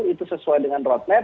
itu sesuai dengan roadmap